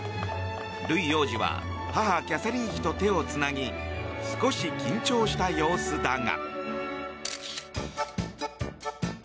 ルイ王子は母キャサリン妃と手をつなぎ少し緊張した様子だが。